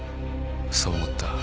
そう思った。